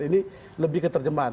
ini lebih keterjemahan